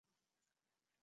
এখানে, নাকি কোথাও গিয়ে?